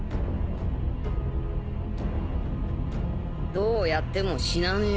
どうやっても死なねえよ。